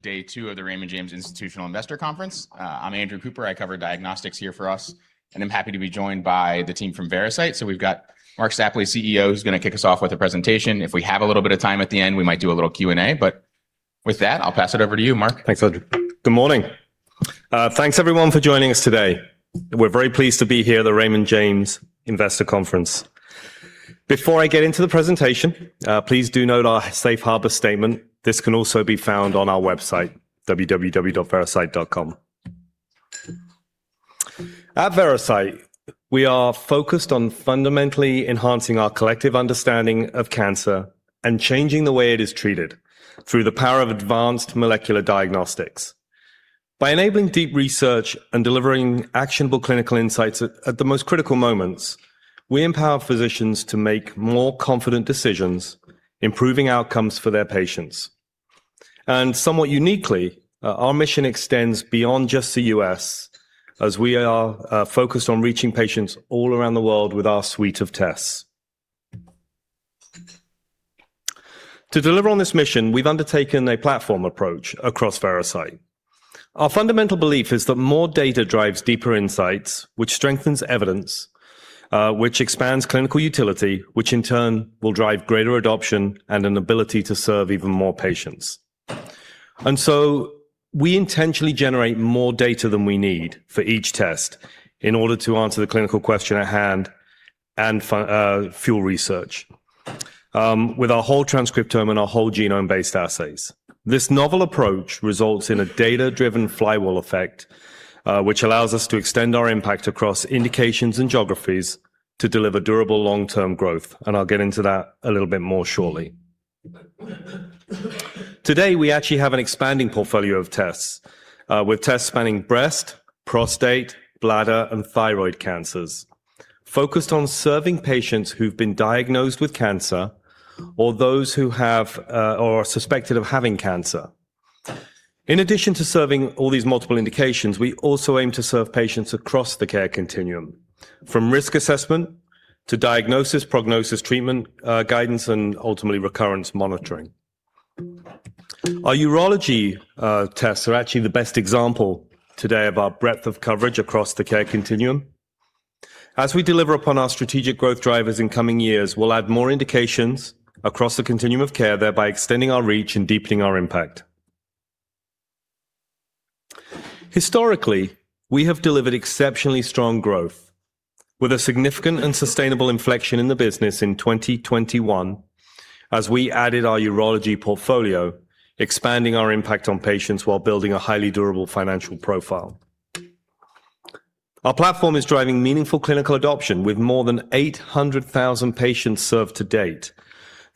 Day two of the Raymond James Institutional Investor Conference. I'm Andrew Cooper. I cover diagnostics here for us, and I'm happy to be joined by the team from Veracyte. We've got Marc Stapley, CEO, who's gonna kick us off with a presentation. If we have a little bit of time at the end, we might do a little Q&A. With that, I'll pass it over to you, Marc. Thanks, Andrew. Good morning. Thanks everyone for joining us today. We're very pleased to be here at the Raymond James Investor Conference. Before I get into the presentation, please do note our Safe Harbor statement. This can also be found on our website, www.veracyte.com. At Veracyte, we are focused on fundamentally enhancing our collective understanding of cancer and changing the way it is treated through the power of advanced molecular diagnostics. By enabling deep research and delivering actionable clinical insights at the most critical moments, we empower physicians to make more confident decisions, improving outcomes for their patients. Somewhat uniquely, our mission extends beyond just the U.S. as we are focused on reaching patients all around the world with our suite of tests. To deliver on this mission, we've undertaken a platform approach across Veracyte. Our fundamental belief is that more data drives deeper insights, which strengthens evidence, which expands clinical utility, which in turn will drive greater adoption and an ability to serve even more patients. We intentionally generate more data than we need for each test in order to answer the clinical question at hand and fuel research with our whole transcriptome and our whole genome-based assays. This novel approach results in a data-driven flywheel effect, which allows us to extend our impact across indications and geographies to deliver durable long-term growth, and I'll get into that a little bit more shortly. Today, we actually have an expanding portfolio of tests, with tests spanning breast, prostate, bladder, and thyroid cancers, focused on serving patients who've been diagnosed with cancer or those who have or are suspected of having cancer. In addition to serving all these multiple indications, we also aim to serve patients across the care continuum from risk assessment to diagnosis, prognosis, treatment, guidance, and ultimately recurrence monitoring. Our urology tests are actually the best example today of our breadth of coverage across the care continuum. As we deliver upon our strategic growth drivers in coming years, we'll add more indications across the continuum of care, thereby extending our reach and deepening our impact. Historically, we have delivered exceptionally strong growth with a significant and sustainable inflection in the business in 2021 as we added our urology portfolio, expanding our impact on patients while building a highly durable financial profile. Our platform is driving meaningful clinical adoption with more than 800,000 patients served to date.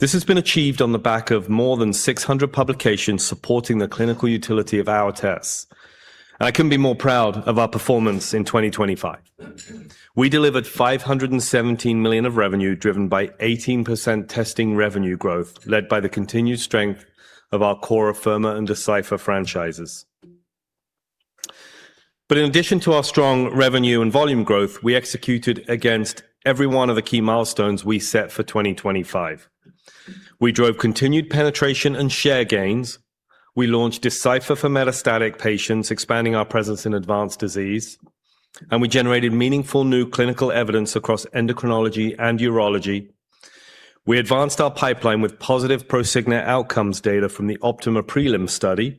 This has been achieved on the back of more than 600 publications supporting the clinical utility of our tests. I couldn't be more proud of our performance in 2025. We delivered $517 million of revenue driven by 18% testing revenue growth led by the continued strength of our core Afirma and Decipher franchises. In addition to our strong revenue and volume growth, we executed against every one of the key milestones we set for 2025. We drove continued penetration and share gains. We launched Decipher for metastatic patients, expanding our presence in advanced disease. We generated meaningful new clinical evidence across endocrinology and urology. We advanced our pipeline with positive Prosigna outcomes data from the OPTIMA prelim study,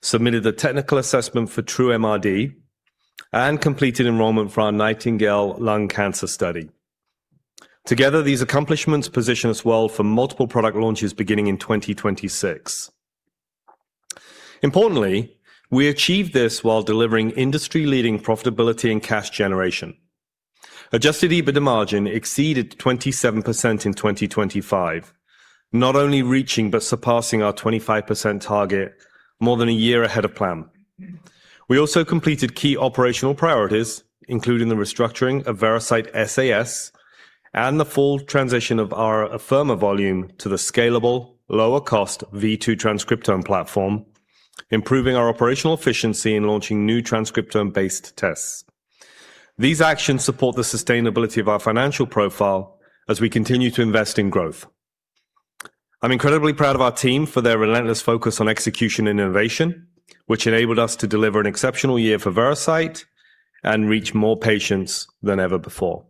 submitted the technical assessment for TrueMRD. Completed enrollment for our NIGHTINGALE lung cancer study. Together, these accomplishments position us well for multiple product launches beginning in 2026. Importantly, we achieved this while delivering industry-leading profitability and cash generation. Adjusted EBITDA margin exceeded 27% in 2025, not only reaching but surpassing our 25% target more than a one year ahead of plan. We also completed key operational priorities, including the restructuring of Veracyte SAS and the full transition of our Afirma volume to the scalable lower cost v2 transcriptome platform, improving our operational efficiency in launching new transcriptome-based tests. These actions support the sustainability of our financial profile as we continue to invest in growth. I'm incredibly proud of our team for their relentless focus on execution and innovation, which enabled us to deliver an exceptional year for Veracyte and reach more patients than ever before.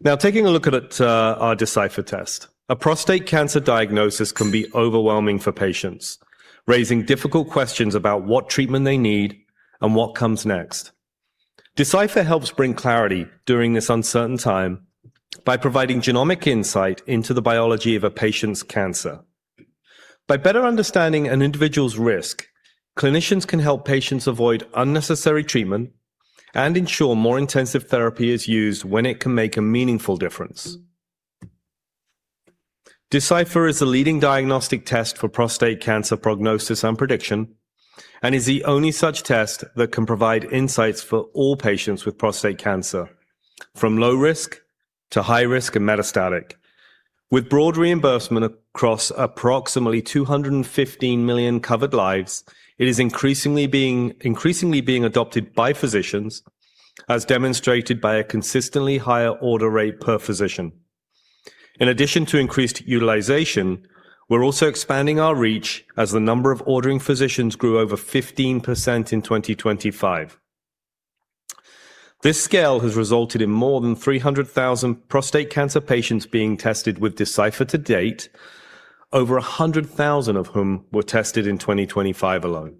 Now taking a look at our Decipher test. A prostate cancer diagnosis can be overwhelming for patients, raising difficult questions about what treatment they need and what comes next. Decipher helps bring clarity during this uncertain time by providing genomic insight into the biology of a patient's cancer. By better understanding an individual's risk, clinicians can help patients avoid unnecessary treatment and ensure more intensive therapy is used when it can make a meaningful difference. Decipher is the leading diagnostic test for prostate cancer prognosis and prediction, and is the only such test that can provide insights for all patients with prostate cancer, from low risk to high risk and metastatic. With broad reimbursement across approximately 215 million covered lives, it is increasingly being adopted by physicians, as demonstrated by a consistently higher order rate per physician. In addition to increased utilization, we're also expanding our reach as the number of ordering physicians grew over 15% in 2025. This scale has resulted in more than 300,000 prostate cancer patients being tested with Decipher to date, over 100,000 of whom were tested in 2025 alone.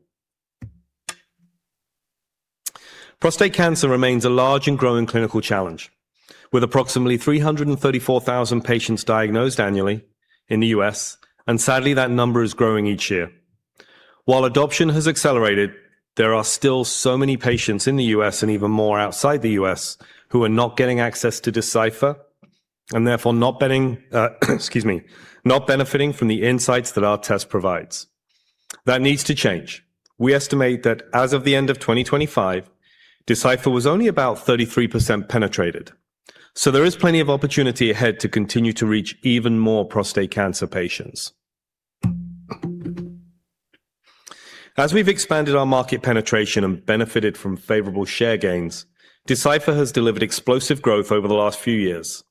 Prostate cancer remains a large and growing clinical challenge, with approximately 334,000 patients diagnosed annually in the US, and sadly, that number is growing each year. While adoption has accelerated, there are still so many patients in the U.S. and even more outside the U.S. who are not getting access to Decipher and therefore not benefiting from the insights that our test provides. That needs to change. We estimate that as of the end of 2025, Decipher was only about 33% penetrated. There is plenty of opportunity ahead to continue to reach even more prostate cancer patients. As we've expanded our market penetration and benefited from favorable share gains, Decipher has delivered explosive growth over the last few years.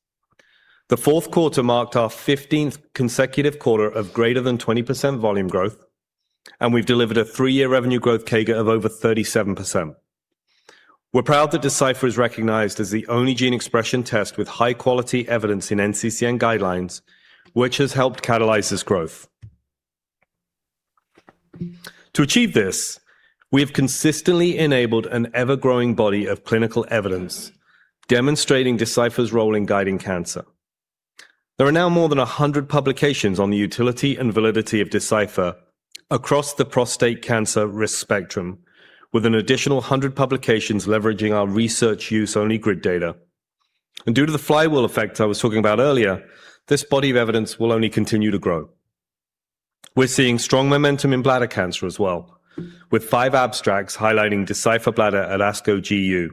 The fourth quarter marked our 15th consecutive quarter of greater than 20% volume growth, and we've delivered a three-year revenue growth CAGR of over 37%. We're proud that Decipher is recognized as the only gene expression test with high quality evidence in NCCN guidelines, which has helped catalyze this growth. To achieve this, we have consistently enabled an ever-growing body of clinical evidence demonstrating Decipher's role in guiding cancer. There are now more than 100 publications on the utility and validity of Decipher across the prostate cancer risk spectrum, with an additional 100 publications leveraging our research use-only GRID data. Due to the flywheel effect I was talking about earlier, this body of evidence will only continue to grow. We're seeing strong momentum in bladder cancer as well, with five abstracts highlighting Decipher Bladder at ASCO GU.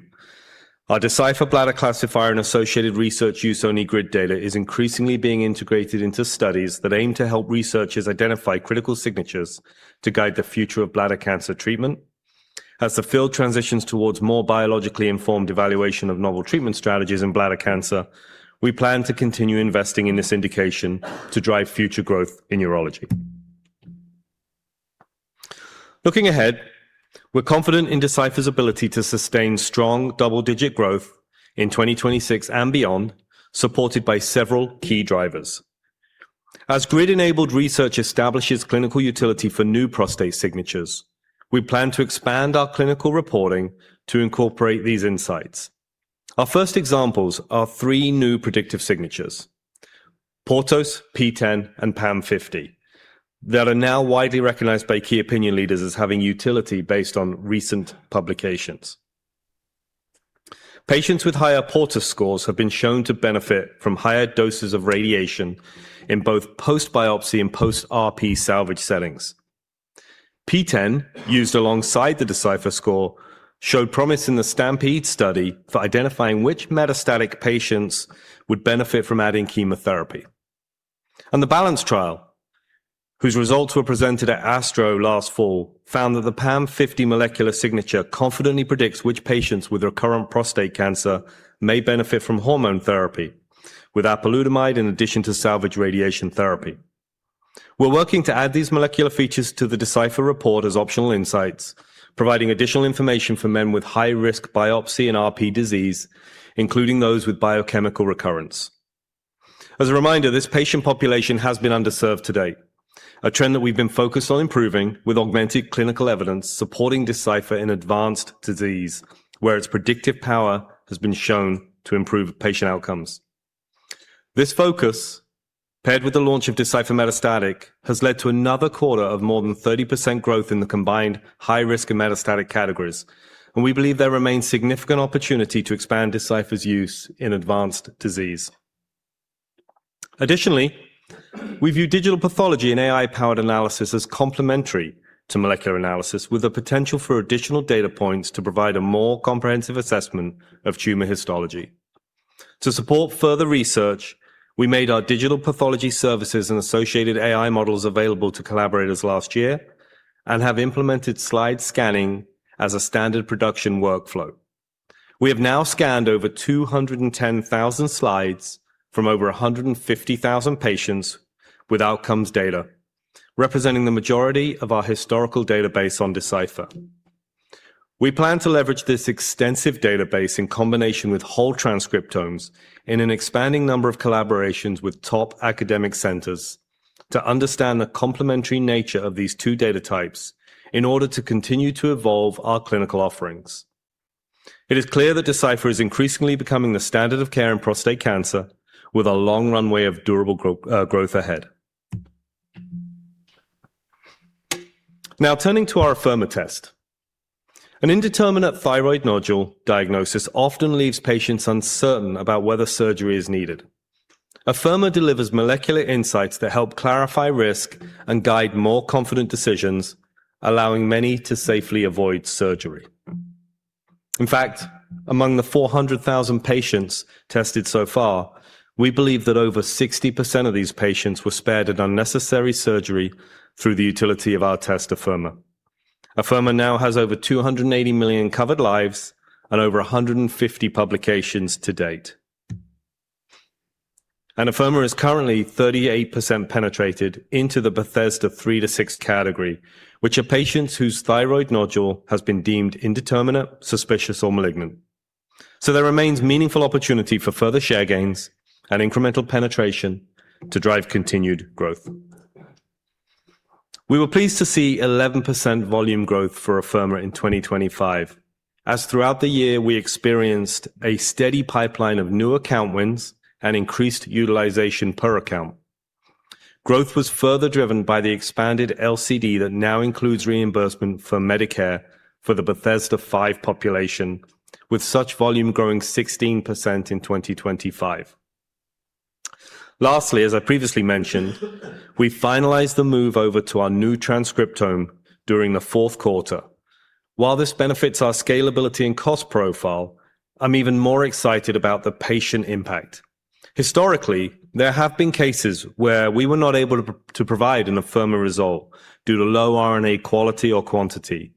Our Decipher Bladder classifier and associated research use-only GRID data is increasingly being integrated into studies that aim to help researchers identify critical signatures to guide the future of bladder cancer treatment. As the field transitions towards more biologically informed evaluation of novel treatment strategies in bladder cancer, we plan to continue investing in this indication to drive future growth in urology. Looking ahead, we're confident in Decipher's ability to sustain strong double-digit growth in 2026 and beyond, supported by several key drivers. As grid-enabled research establishes clinical utility for new prostate signatures, we plan to expand our clinical reporting to incorporate these insights. Our first examples are three new predictive signatures, PORTOS, PTEN, and PAM50, that are now widely recognized by key opinion leaders as having utility based on recent publications. Patients with higher PORTOS scores have been shown to benefit from higher doses of radiation in both post-biopsy and post-RP salvage settings. PTEN, used alongside the Decipher score, showed promise in the STAMPEDE study for identifying which metastatic patients would benefit from adding chemotherapy. The BALANCE trial, whose results were presented at ASTRO last fall, found that the PAM50 molecular signature confidently predicts which patients with recurrent prostate cancer may benefit from hormone therapy with apalutamide in addition to salvage radiation therapy. We're working to add these molecular features to the Decipher report as optional insights, providing additional information for men with high-risk biopsy and RP disease, including those with biochemical recurrence. As a reminder, this patient population has been underserved to date, a trend that we've been focused on improving with augmented clinical evidence supporting Decipher in advanced disease, where its predictive power has been shown to improve patient outcomes. This focus, paired with the launch of Decipher Metastatic, has led to another quarter of more than 30% growth in the combined high-risk and metastatic categories, and we believe there remains significant opportunity to expand Decipher's use in advanced disease. Additionally, we view digital pathology and AI-powered analysis as complementary to molecular analysis with the potential for additional data points to provide a more comprehensive assessment of tumor histology. To support further research, we made our digital pathology services and associated AI models available to collaborators last year and have implemented slide scanning as a standard production workflow. We have now scanned over 210,000 slides from over 150,000 patients with outcomes data, representing the majority of our historical database on Decipher. We plan to leverage this extensive database in combination with whole transcriptomes in an expanding number of collaborations with top academic centers to understand the complementary nature of these two data types in order to continue to evolve our clinical offerings. It is clear that Decipher is increasingly becoming the standard of care in prostate cancer with a long runway of durable growth ahead. Now turning to our Afirma test. An indeterminate thyroid nodule diagnosis often leaves patients uncertain about whether surgery is needed. Afirma delivers molecular insights that help clarify risk and guide more confident decisions, allowing many to safely avoid surgery. In fact, among the 400,000 patients tested so far, we believe that over 60% of these patients were spared an unnecessary surgery through the utility of our test, Afirma. Afirma now has over 280 million covered lives and over 150 publications to date. Afirma is currently 38% penetrated into the Bethesda III to VI category, which are patients whose thyroid nodule has been deemed indeterminate, suspicious or malignant. There remains meaningful opportunity for further share gains and incremental penetration to drive continued growth. We were pleased to see 11% volume growth for Afirma in 2025, as throughout the year we experienced a steady pipeline of new account wins and increased utilization per account. Growth was further driven by the expanded LCD that now includes reimbursement for Medicare for the Bethesda V population, with such volume growing 16% in 2025. Lastly, as I previously mentioned, we finalized the move over to our new transcriptome during the fourth quarter. While this benefits our scalability and cost profile, I'm even more excited about the patient impact. Historically, there have been cases where we were not able to provide an Afirma result due to low RNA quality or quantity.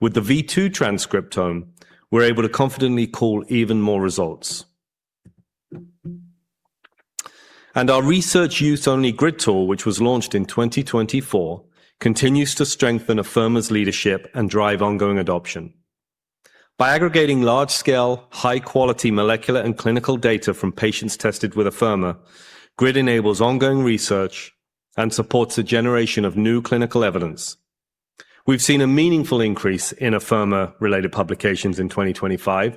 With the v2 transcriptome, we're able to confidently call even more results. Our research-use-only GRID tool, which was launched in 2024, continues to strengthen Afirma's leadership and drive ongoing adoption. By aggregating large-scale, high-quality molecular and clinical data from patients tested with Afirma, GRID enables ongoing research and supports a generation of new clinical evidence. We've seen a meaningful increase in Afirma related publications in 2025,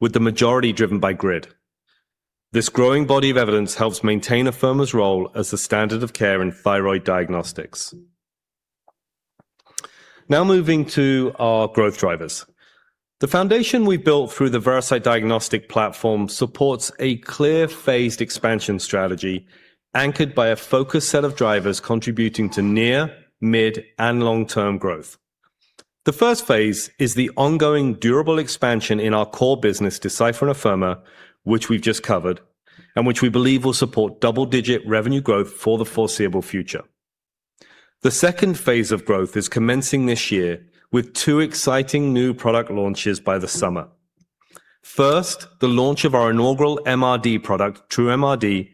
with the majority driven by GRID. This growing body of evidence helps maintain Afirma's role as the standard of care in thyroid diagnostics. Now moving to our growth drivers. The foundation we built through the Veracyte diagnostic platform supports a clear phased expansion strategy anchored by a focused set of drivers contributing to near-term, mid-term, and long-term growth. The first phase is the ongoing durable expansion in our core business, Decipher and Afirma, which we've just covered, which we believe will support double-digit revenue growth for the foreseeable future. The second phase of growth is commencing this year with two exciting new product launches by the summer. First, the launch of our inaugural MRD product, TrueMRD,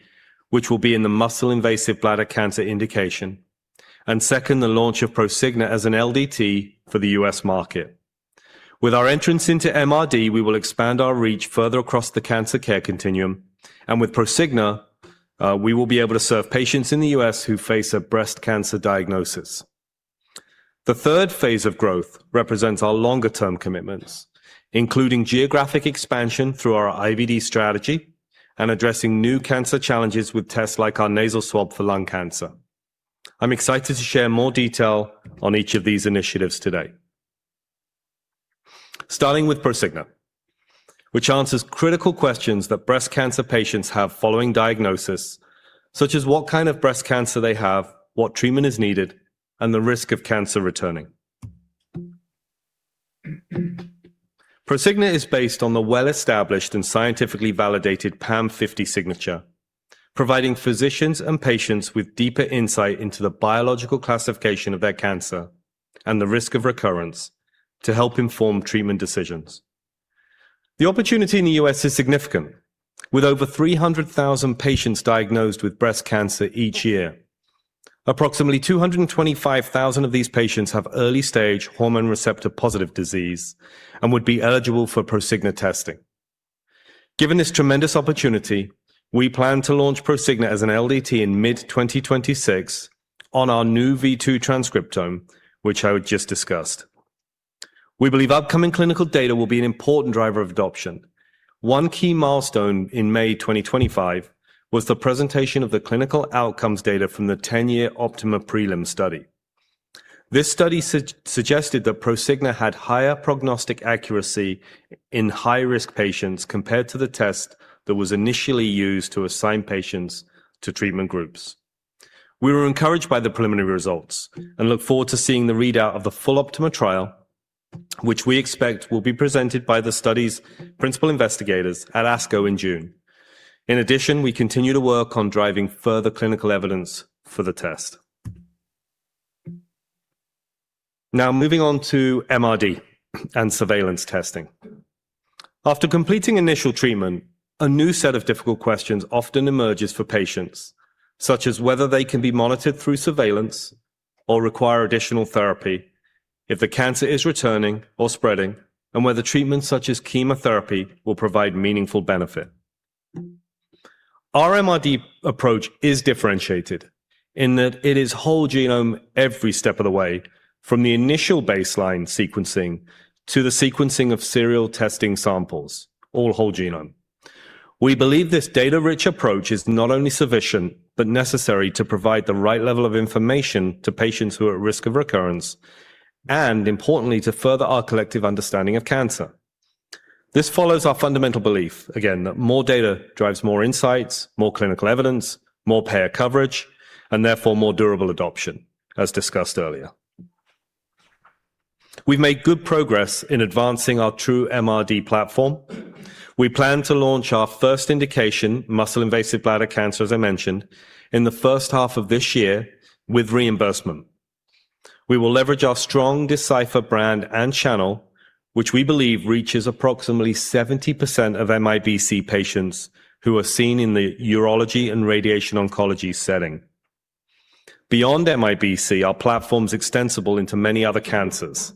which will be in the muscle invasive bladder cancer indication. Second, the launch of Prosigna as an LDT for the U.S. market. With our entrance into MRD, we will expand our reach further across the cancer care continuum, with Prosigna, we will be able to serve patients in the U.S. who face a breast cancer diagno. The third phase diagnosis of growth represents our longer term commitments, including geographic expansion through our IVD strategy and addressing new cancer challenges with tests like our nasal swab for lung cancer. I'm excited to share more detail on each of these initiatives today. Starting with Prosigna, which answers critical questions that breast cancer patients have following diagnosis, such as what kind of breast cancer they have, what treatment is needed, and the risk of cancer returning. Prosigna is based on the well-established and scientifically validated PAM50 signature, providing physicians and patients with deeper insight into the biological classification of their cancer and the risk of recurrence to help inform treatment decisions. The opportunity in the U.S. is significant. With over 300,000 patients diagnosed with breast cancer each year, approximately 225,000 of these patients have early stage hormone receptor-positive disease and would be eligible for Prosigna testing. Given this tremendous opportunity, we plan to launch Prosigna as an LDT in mid 2026 on our new v2 transcriptome, which I just discussed. We believe upcoming clinical data will be an important driver of adoption. One key milestone in May 2025 was the presentation of the clinical outcomes data from the 10-year OPTIMA prelim study. This study suggested that Prosigna had higher prognostic accuracy in high-risk patients compared to the test that was initially used to assign patients to treatment groups. We were encouraged by the preliminary results and look forward to seeing the readout of the full OPTIMA trial, which we expect will be presented by the study's principal investigators at ASCO in June. In addition, we continue to work on driving further clinical evidence for the test. Now moving on to MRD and surveillance testing. After completing initial treatment, a new set of difficult questions often emerges for patients, such as whether they can be monitored through surveillance or require additional therapy if the cancer is returning or spreading, and whether treatments such as chemotherapy will provide meaningful benefit. Our MRD approach is differentiated in that it is whole genome every step of the way, from the initial baseline sequencing to the sequencing of serial testing samples, all whole genome. We believe this data-rich approach is not only sufficient, but necessary to provide the right level of information to patients who are at risk of recurrence, and importantly, to further our collective understanding of cancer. This follows our fundamental belief, again, that more data drives more insights, more clinical evidence, more payer coverage, and therefore more durable adoption, as discussed earlier. We've made good progress in advancing our TrueMRD platform. We plan to launch our first indication, muscle invasive bladder cancer, as I mentioned, in the first half of this year with reimbursement. We will leverage our strong Decipher brand and channel, which we believe reaches approximately 70% of MIBC patients who are seen in the urology and radiation oncology setting. Beyond MIBC, our platform's extensible into many other cancers,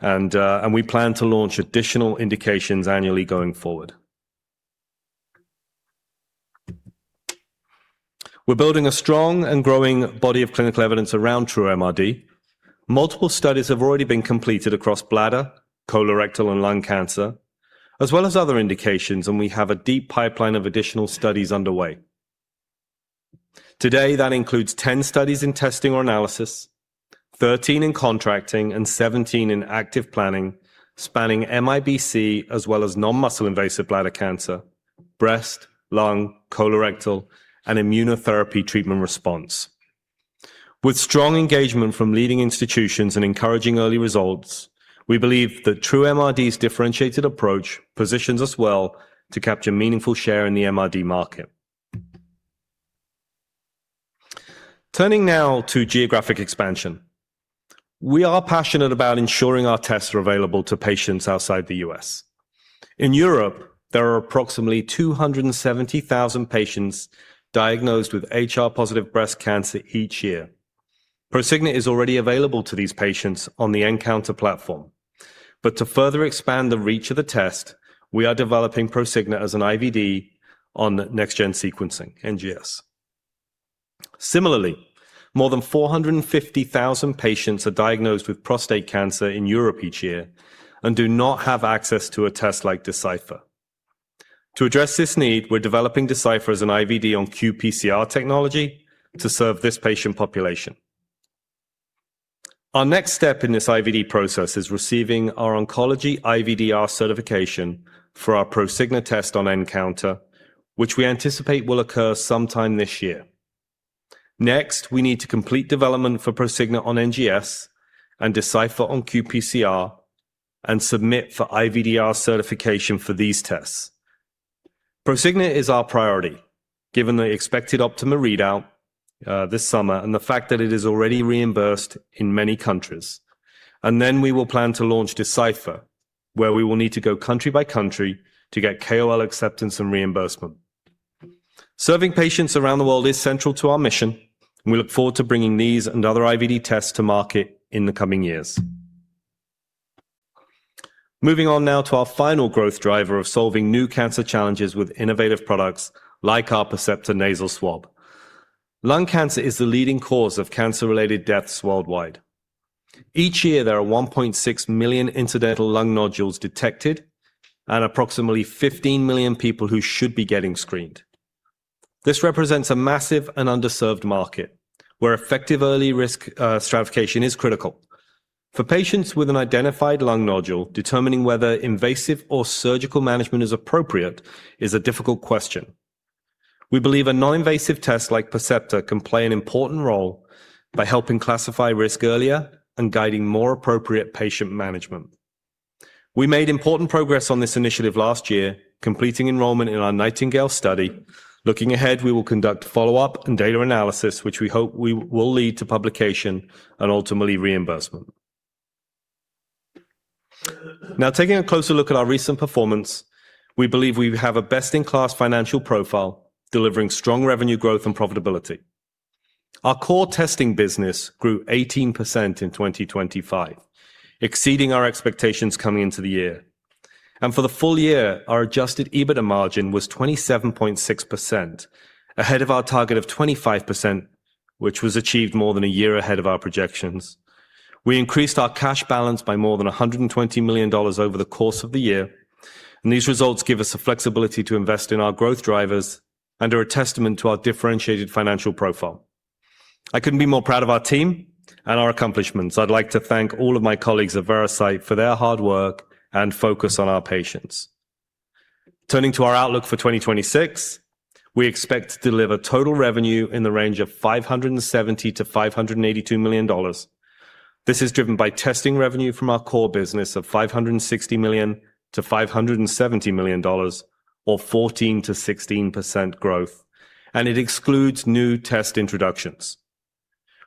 and we plan to launch additional indications annually going forward. We're building a strong and growing body of clinical evidence around TrueMRD. Multiple studies have already been completed across bladder, colorectal, and lung cancer, as well as other indications, and we have a deep pipeline of additional studies underway. Today, that includes 10 studies in testing or analysis, 13 in contracting, and 17 in active planning, spanning MIBC as well as non-muscle invasive bladder cancer, breast, lung, colorectal, and immunotherapy treatment response. With strong engagement from leading institutions and encouraging early results, we believe that TrueMRD's differentiated approach positions us well to capture meaningful share in the MRD market. Turning now to geographic expansion. We are passionate about ensuring our tests are available to patients outside the U.S. In Europe, there are approximately 270,000 patients diagnosed with HR-positive breast cancer each year. Prosigna is already available to these patients on the nCounter platform. To further expand the reach of the test, we are developing Prosigna as an IVD on next-gen sequencing, NGS. Similarly, more than 450,000 patients are diagnosed with prostate cancer in Europe each year and do not have access to a test like Decipher. To address this need, we're developing Decipher as an IVD on qPCR technology to serve this patient population. Our next step in this IVD process is receiving our oncology IVDR certification for our Prosigna test on nCounter, which we anticipate will occur sometime this year. We need to complete development for Prosigna on NGS and Decipher on qPCR and submit for IVDR certification for these tests. Prosigna is our priority, given the expected OPTIMA readout this summer and the fact that it is already reimbursed in many countries. We will plan to launch Decipher, where we will need to go country by country to get KOL acceptance and reimbursement. Serving patients around the world is central to our mission, and we look forward to bringing these and other IVD tests to market in the coming years. Moving on now to our final growth driver of solving new cancer challenges with innovative products like our Percepta nasal swab. Lung cancer is the leading cause of cancer-related deaths worldwide. Each year, there are 1.6 million incidental lung nodules detected and approximately 15 million people who should be getting screened. This represents a massive and underserved market where effective early risk stratification is critical. For patients with an identified lung nodule, determining whether invasive or surgical management is appropriate is a difficult question. We believe a non-invasive test like Percepta can play an important role by helping classify risk earlier and guiding more appropriate patient management. We made important progress on this initiative last year, completing enrollment in our NIGHTINGALE Study. Looking ahead, we will conduct follow-up and data analysis, which we hope we will lead to publication and ultimately reimbursement. Taking a closer look at our recent performance, we believe we have a best-in-class financial profile delivering strong revenue growth and profitability. Our core testing business grew 18% in 2025, exceeding our expectations coming into the year. For the full year, our Adjusted EBITDA margin was 27.6%, ahead of our target of 25%, which was achieved more than a year ahead of our projections. We increased our cash balance by more than $120 million over the course of the year, and these results give us the flexibility to invest in our growth drivers and are a testament to our differentiated financial profile. I couldn't be more proud of our team and our accomplishments. I'd like to thank all of my colleagues at Veracyte for their hard work and focus on our patients. Turning to our outlook for 2026, we expect to deliver total revenue in the range of $570 million-$582 million. This is driven by testing revenue from our core business of $560 million-$570 million or 14%-16% growth. It excludes new test introductions.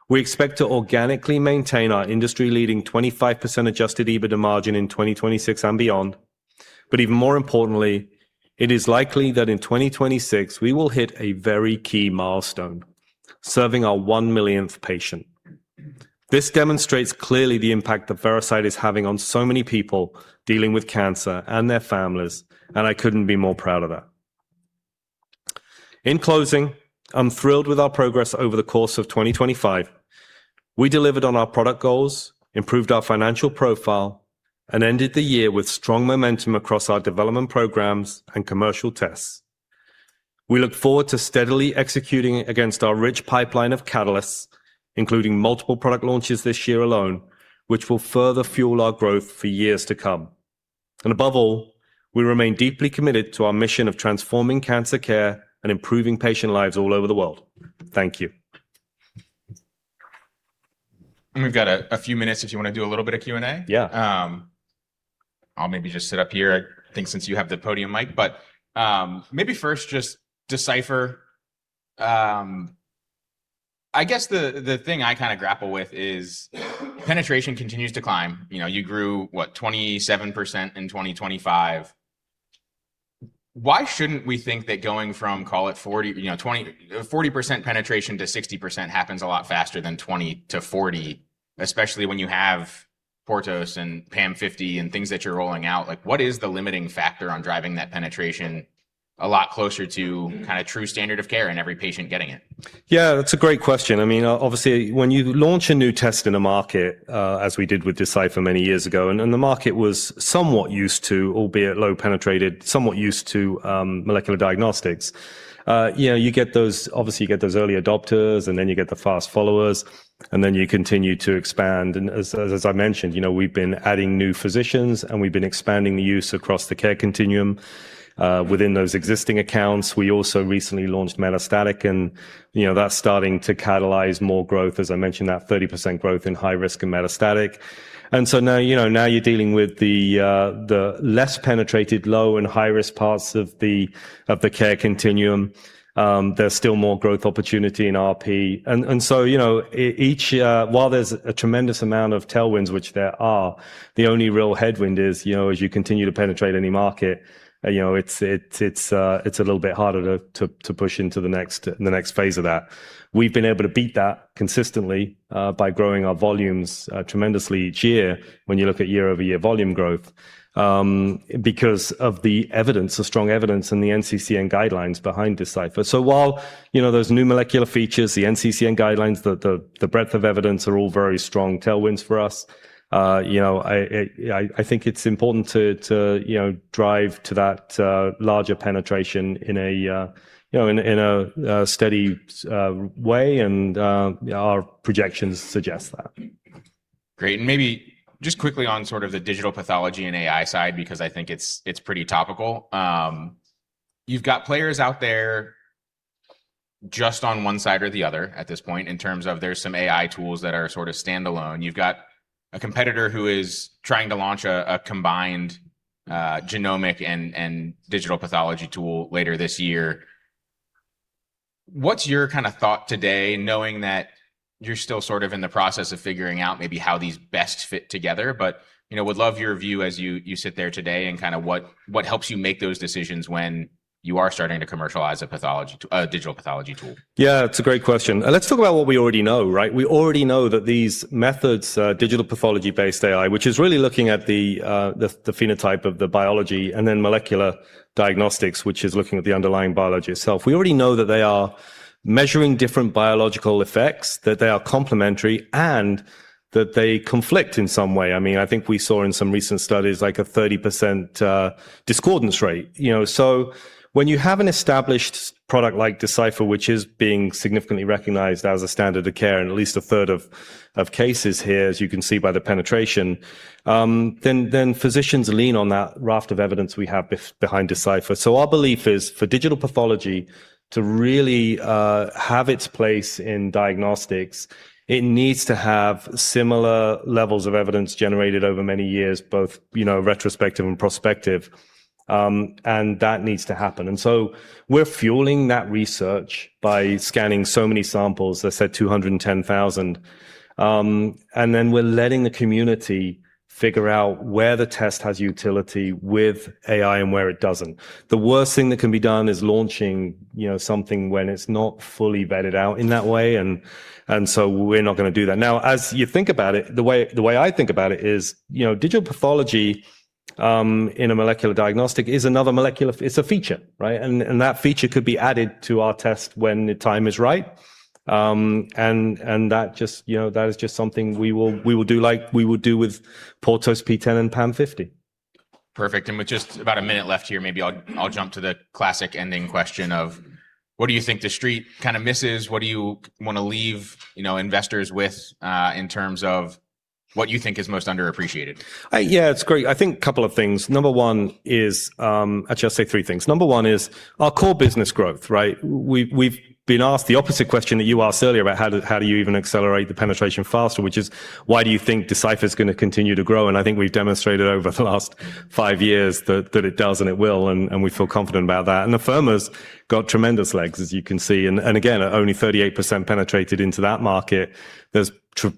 We expect to organically maintain our industry-leading 25% Adjusted EBITDA margin in 2026 and beyond. Even more importantly, it is likely that in 2026 we will hit a very key milestone, serving our 1 millionth patient. This demonstrates clearly the impact that Veracyte is having on so many people dealing with cancer and their families. I couldn't be more proud of that. In closing, I'm thrilled with our progress over the course of 2025. We delivered on our product goals, improved our financial profile, and ended the year with strong momentum across our development programs and commercial tests. We look forward to steadily executing against our rich pipeline of catalysts, including multiple product launches this year alone, which will further fuel our growth for years to come. Above all, we remain deeply committed to our mission of transforming cancer care and improving patient lives all over the world. Thank you. We've got a few minutes if you want to do a little bit of Q&A. Yeah. I'll maybe just sit up here I think since you have the podium mic. Maybe first just Decipher. I guess the thing I kind of grapple with is penetration continues to climb. You know, you grew, what, 27% in 2025. Why shouldn't we think that going from, call it 40, you know, 20%-40% penetration to 60% happens a lot faster than 20-40, especially when you have PORTOS and PAM50 and things that you're rolling out? Like, what is the limiting factor on driving that penetration a lot closer to? Mm. kinda true standard of care and every patient getting it? Yeah, that's a great question. I mean, obviously when you launch a new test in a market, as we did with Decipher many years ago, the market was somewhat used to, albeit low penetrated, somewhat used to, molecular diagnostics, you know, obviously, you get those early adopters, and then you get the fast followers, and then you continue to expand. As I mentioned, you know, we've been adding new physicians, and we've been expanding the use across the care continuum within those existing accounts. We also recently launched Metastatic, you know, that's starting to catalyze more growth, as I mentioned, that 30% growth in high risk and metastatic. Now, you know, now you're dealing with the less penetrated low and high-risk parts of the care continuum. There's still more growth opportunity in RP. You know, each While there's a tremendous amount of tailwinds, which there are, the only real headwind is, you know, as you continue to penetrate any market, you know, it's, it's a little bit harder to, to push into the next, the next phase of that. We've been able to beat that consistently, by growing our volumes, tremendously each year when you look at year-over-year volume growth, because of the evidence, the strong evidence in the NCCN guidelines behind Decipher. While, you know, those new molecular features, the NCCN guidelines, the breadth of evidence are all very strong tailwinds for us, you know, I think it's important to, you know, drive to that larger penetration in a, you know, in a steady way, and our projections suggest that. Great. Maybe just quickly on sort of the digital pathology and AI side because I think it's pretty topical. You've got players out there just on one side or the other at this point in terms of there's some AI tools that are sorta standalone. You've got a competitor who is trying to launch a combined genomic and digital pathology tool later this year. What's your kinda thought today knowing that you're still sort of in the process of figuring out maybe how these best fit together, but, you know, would love your view as you sit there today and kinda what helps you make those decisions when you are starting to commercialize a digital pathology tool? Yeah, it's a great question. Let's talk about what we already know, right? We already know that these methods, digital pathology-based AI, which is really looking at the phenotype of the biology and then molecular diagnostics, which is looking at the underlying biology itself. We already know that they are measuring different biological effects, that they are complementary, and that they conflict in some way. I mean, I think we saw in some recent studies like a 30% discordance rate. You know, when you have an established product like Decipher, which is being significantly recognized as a standard of care in at least a third of cases here, as you can see by the penetration, then physicians lean on that raft of evidence we have behind Decipher. Our belief is for digital pathology to really have its place in diagnostics, it needs to have similar levels of evidence generated over many years, both, you know, retrospective and prospective, and that needs to happen. We're fueling that research by scanning so many samples, let's say 210,000, and then we're letting the community figure out where the test has utility with AI and where it doesn't. The worst thing that can be done is launching, you know, something when it's not fully vetted out in that way and so we're not gonna do that. As you think about it, the way I think about it is, you know, digital pathology in a molecular diagnostic is another molecular it's a feature, right? That feature could be added to our test when the time is right. That just, you know, that is just something we will do like we would do with PORTOS PTEN and PAM50. Perfect. With just about 1 minute left here, maybe I'll jump to the classic ending question of what do you think the street kinda misses, what do you wanna leave, you know, investors with, in terms of what you think is most underappreciated? Yeah, it's great. I think couple of things. Actually, I'll say three things. Number one is our core business growth, right? We've been asked the opposite question that you asked earlier about how do you even accelerate the penetration faster, which is why do you think Decipher's gonna continue to grow? And I think we've demonstrated over the last five years that it does and it will, and we feel confident about that. And Afirma's got tremendous legs, as you can see. And again, only 38% penetrated into that market. There's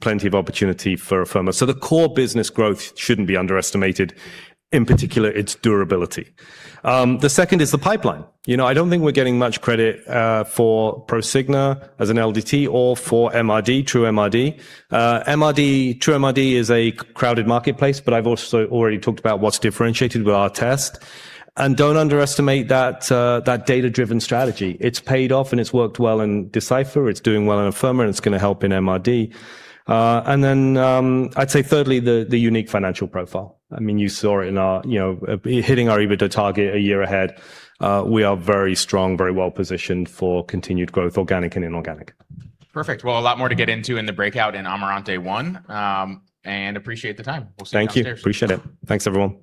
plenty of opportunity for Afirma. The core business growth shouldn't be underestimated, in particular its durability. The second is the pipeline. You know, I don't think we're getting much credit for Prosigna as an LDT or for MRD, TrueMRD. MRD, TrueMRD is a crowded marketplace, but I've also already talked about what's differentiated with our test. Don't underestimate that data-driven strategy. It's paid off, and it's worked well in Decipher. It's doing well in Afirma, and it's gonna help in MRD. I'd say thirdly, the unique financial profile. I mean, you saw it in our, you know, hitting our EBITDA target one year ahead. We are very strong, very well-positioned for continued growth, organic and inorganic. Perfect. Well, a lot more to get into in the breakout in Amaranth I. Appreciate the time. We'll see you downstairs. Thank you. Appreciate it. Thanks, everyone.